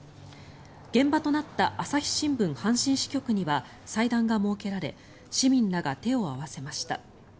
現場となった朝日新聞阪神支局には祭壇が設けられ市民らが手を合わせました。